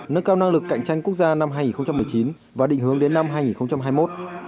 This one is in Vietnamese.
nâng cao năng lực cạnh tranh quốc gia năm hai nghìn một mươi chín và định hướng đến năm hai nghìn hai mươi một